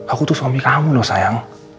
aku tuh suami kamu loh sayang